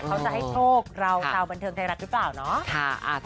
เขาจะให้โชคเราชาวบันเทิงไทยรัฐหรือเปล่าเนาะ